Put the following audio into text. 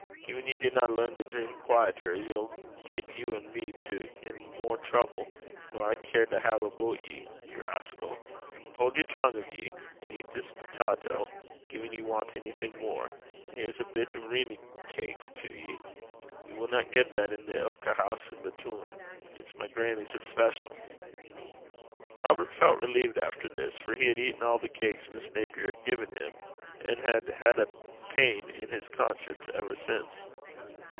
'Gin ye dinna learn to dream quaieter, ye'll get you and me tu into mair trouble nor I care to hae aboot ye, ye rascal. Haud the tongue o' ye, and eat this tawtie, gin ye want onything mair. And here's a bit o' reamy cakes tu ye. Ye winna get that in ilka hoose i' the toon. It's my grannie's especial.' Robert felt relieved after this, for he had eaten all the cakes Miss Napier had given him, and had had a pain in his conscience ever since.